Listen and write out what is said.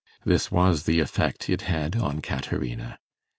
This was the effect it had on Caterina.